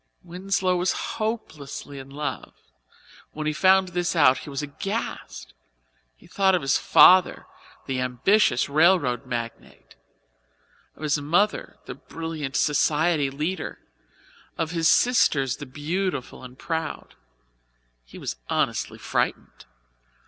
Winslow was hopelessly in love, when he found this out he was aghast. He thought of his father, the ambitious railroad magnate; of his mother, the brilliant society leader; of his sisters, the beautiful and proud; he was honestly frightened.